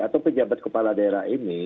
atau pejabat kepala daerah ini